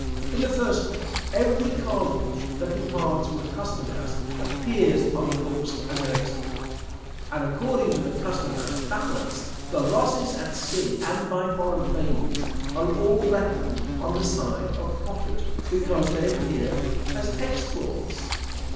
In the first place, Every cargo that departs from the custom house appears on the books as an export; and, according to the custom house balance, the losses at sea, and by foreign failures, are all reckoned on the side of profit because they appear as exports.